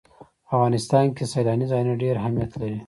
په افغانستان کې سیلانی ځایونه ډېر اهمیت لري.